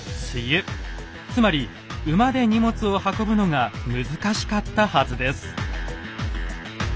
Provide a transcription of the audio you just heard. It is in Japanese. つまり馬で荷物を運ぶのが難しかったはずです。